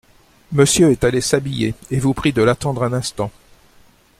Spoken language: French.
Monsieur est allé s'habiller, et vous prie de l'attendre un instant.